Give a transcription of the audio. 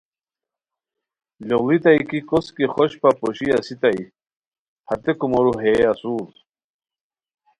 لوڑیتائے کی کوس کی خوشپہ پوشی اسیتائے ہتے کومورو ہئے اسور